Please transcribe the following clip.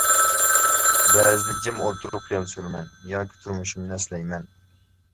بەزىدە جىم ئولتۇرۇپ خىيال سۈرىمەن ياكى تۇرمۇشۇمنى ئەسلەيمەن.